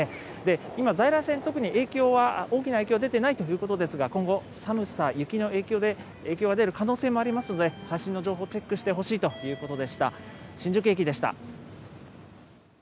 今、在来線、特に影響は、大きな影響は出ていないということですが、今後、寒さ、雪の影響で、影響が出る可能性もありますので、最新の情報をチェックしてほしいということでした。